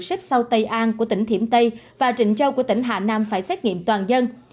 ship sau tây an của tỉnh thiểm tây và trịnh châu của tỉnh hà nam phải xét nghiệm toàn dân